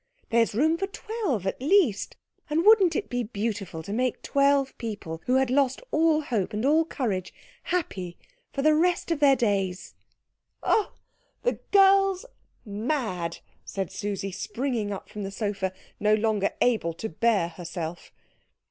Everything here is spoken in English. There is room for twelve at least, and wouldn't it be beautiful to make twelve people, who had lost all hope and all courage, happy for the rest of their days?" "Oh, the girl's mad!" cried Susie, springing up from the sofa, no longer able to bear herself.